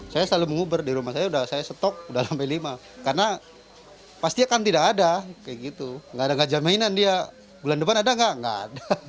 saya selalu menguber di rumah saya saya setok sudah sampai lima karena pasti akan tidak ada gak ada gajah mainan dia bulan depan ada gak gak ada